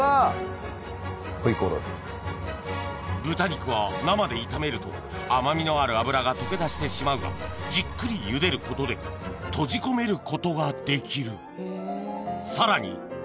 豚肉は生で炒めると甘みのある脂が溶け出してしまうがじっくり茹でることで閉じ込めることができるさらに